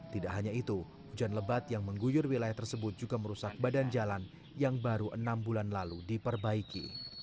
tidak hanya itu hujan lebat yang mengguyur wilayah tersebut juga merusak badan jalan yang baru enam bulan lalu diperbaiki